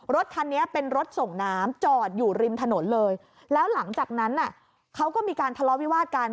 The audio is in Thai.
รถคันนี้เป็นรถส่งน้ำจอดอยู่ริมถนนเลยแล้วหลังจากนั้นเขาก็มีการทะเลาะวิวาดกัน